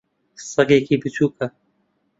سەگێکی بچووکە.